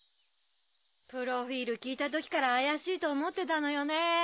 プロフィル聞いた時から怪しいと思ってたのよねぇ。